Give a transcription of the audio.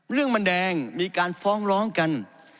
เรื่องมันแดงมีการฟ้องร้องกัน